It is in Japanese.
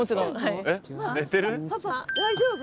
パパ大丈夫？